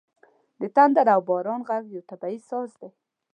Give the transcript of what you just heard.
• د تندر او باران ږغ یو طبیعي ساز دی.